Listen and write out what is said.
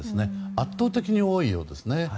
圧倒的に多いようですね。